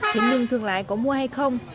thế nhưng thương lái có mua hay không